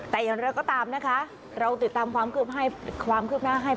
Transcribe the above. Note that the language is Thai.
แต่อย่างไรก็ตามนะคะเราติดตามความคืบหน้าให้